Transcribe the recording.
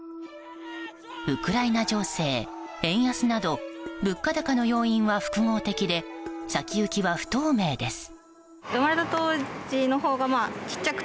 ウクライナ情勢、円安など物価高の要因は複合的で先行きは不透明です。